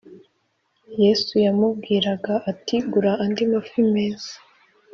Yesu yamubwiraga ati gura andi mafi meza